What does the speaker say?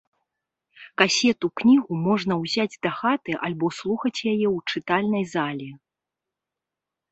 Касету-кнігу можна ўзяць дахаты альбо слухаць яе ў чытальнай зале.